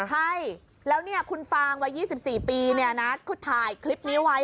ใช่แล้วเนี่ยคุณฟางว่า๒๔ปีเนี่ยนะคุณถ่ายคลิปนี้ไว้